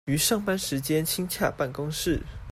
於上班時間親洽辦公室